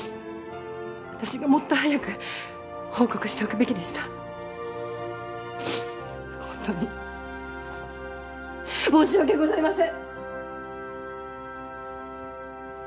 私がもっと早く報告しておくべきでしたホントに申し訳ございません！